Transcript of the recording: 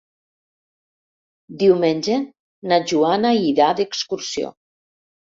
Diumenge na Joana irà d'excursió.